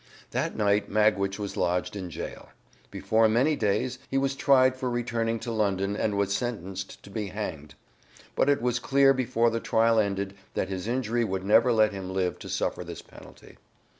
That night Magwitch was lodged in jail. Before many days he was tried for returning to England and was sentenced to be hanged. But it was clear before the trial ended that his injury would never let him live to suffer this penalty.